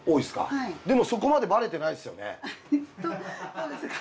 そうですか？